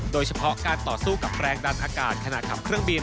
โดยเฉพาะการต่อสู้กับแรงดันอากาศขณะขับเครื่องบิน